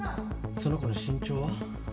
その子の身長は？